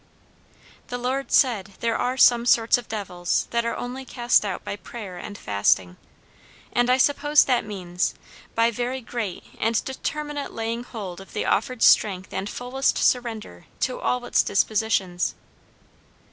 The Lord said, there are some sorts of devils that are only cast out by prayer and fasting; and I suppose that means, by very great and determinate laying hold of the offered strength and fullest surrender to all its dispositions.